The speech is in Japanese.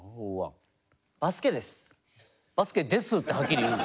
「バスケです」ってはっきり言うんだ。